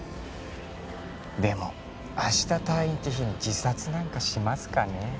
でも明日退院って日に自殺なんかしますかねえ？